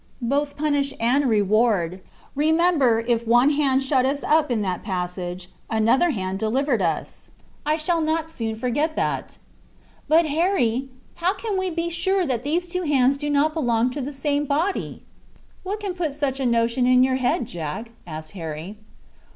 "Both punish and reward. Remember, if one hand shut us up in that passage, another hand delivered us! I shall not soon forget that." "But, Harry, how can we be sure that these two hands do not belong to the same body?" "What can put such a notion in your head, Jack?" asked Harry.